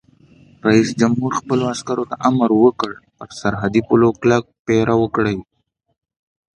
رئیس جمهور خپلو عسکرو ته امر وکړ؛ پر سرحدي پولو کلک پیره وکړئ!